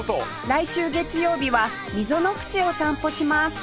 来週月曜日は溝の口を散歩します